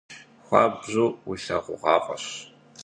Хуабжьу улъэгъугъуафӏэщ.